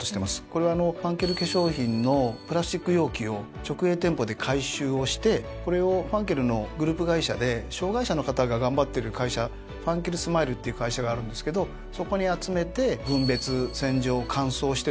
これはファンケル化粧品のプラスチック容器を直営店舗で回収をしてこれをファンケルのグループ会社で障害者の方が頑張ってる会社ファンケルスマイルっていう会社があるんですけどそこに集めて分別・洗浄・乾燥してですね